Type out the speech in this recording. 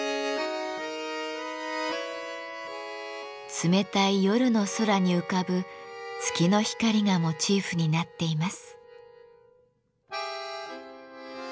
冷たい夜の空に浮かぶ月の光がモチーフになっています。